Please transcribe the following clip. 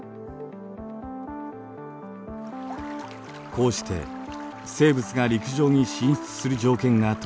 こうして生物が陸上に進出する条件が整いました。